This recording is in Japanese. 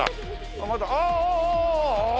あっまだああ！